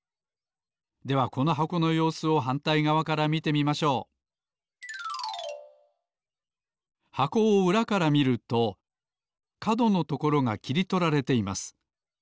ではこの箱のようすをはんたいがわから見てみましょう箱をうらから見るとかどのところがきりとられています。